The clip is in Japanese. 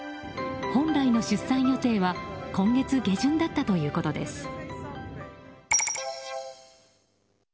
本来の出産予定は今月下旬だったということです。